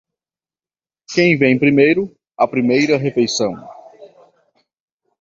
Quem vem primeiro, a primeira refeição.